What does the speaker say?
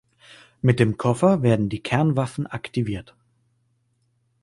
Mit dem Koffer werden die Kernwaffen aktiviert.